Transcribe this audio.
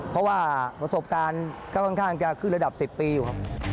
เพราะว่าประสบการณ์ก็ค่อนข้างจะขึ้นระดับ๑๐ปีอยู่ครับ